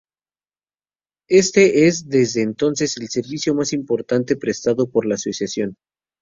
Este es, desde entonces, el servicio más importante prestado por la asociación.